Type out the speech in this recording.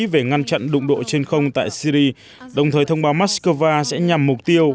về ngăn chặn đụng độ trên không tại syri đồng thời thông báo moscow sẽ nhằm mục tiêu